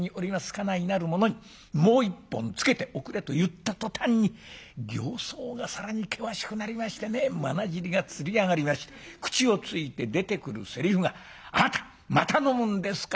家内なる者に『もう一本つけておくれ』と言った途端に形相が更に険しくなりましてねまなじりがつり上がりまして口をついて出てくるセリフが『あなたまた飲むんですか？』